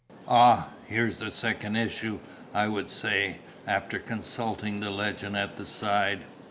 "Ah, here's the second issue!" I would say, after consulting the legend at the side.